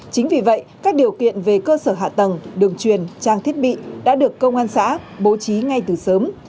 chính vì vậy các điều kiện về cơ sở hạ tầng đường truyền trang thiết bị đã được công an xã bố trí ngay từ sớm